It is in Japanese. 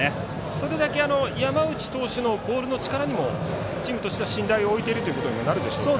それだけ山内投手のボールの力にもチームとしては信頼を置いているということでしょうか。